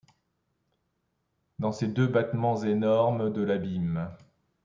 Dans ces deux battements énormes de l’abîme